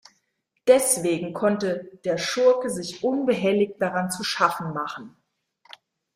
Deswegen konnte der Schurke sich unbehelligt daran zu schaffen machen.